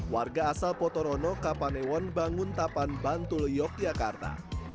warga asal potorono kapanewon banguntapan bantul yogyakarta